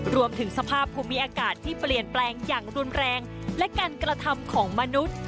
รวมถึงสภาพภูมิอากาศที่เปลี่ยนแปลงอย่างรุนแรงและการกระทำของมนุษย์